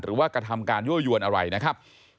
หรือว่ากระทำการยั่วยวนอะไรนะครับ